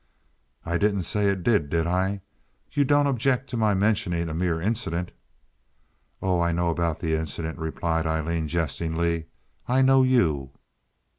"I didn't say it did, did I? You don't object to my mentioning a mere incident?" "Oh, I know about the incident," replied Aileen, jestingly. "I know you."